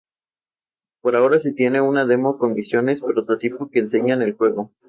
Los hermanos Hearts se interesan por el Soma que tiene.